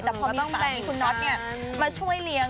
แล้วตอนมีตาที่คุณน็อตเนี่ยมาช่วยเลี้ยง